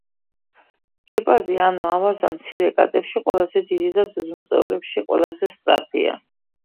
გეპარდი ანუ ავაზა მცირე კატებში ყველაზე დიდი და ძუძუმწოვრებში ყველაზე სწრაფია.